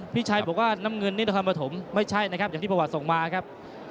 พี่ชัยบอกว่าน้ำเงิบนี่ตลอดมะถมไม่ใช่นะครับจากที่พระวัตรส่งมาครับ